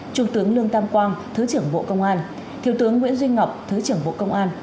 trung tướng lương tam quang thứ trưởng bộ công an thiếu tướng nguyễn duy ngọc thứ trưởng bộ công an